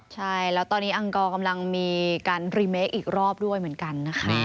ใช่แล้วตอนนี้อังกรกำลังมีการรีเมคอีกรอบด้วยเหมือนกันนะคะ